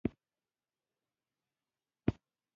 پاک چاپېریال د خلکو ژوند ته سوکالي راوړي.